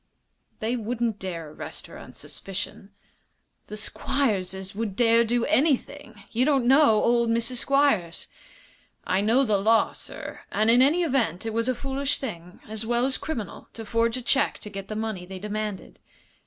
"They wouldn't dare arrest her on suspicion." "The Squierses would dare do anything. You don't know old Mrs. Squiers." "I know the law, sir, and in any event it was a foolish thing, as well as criminal, to forge a check to get the money they demanded."